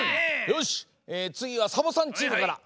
よしつぎはサボさんチームから。